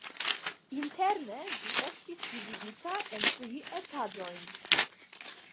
Interne ĝi estis dividita en tri etaĝojn.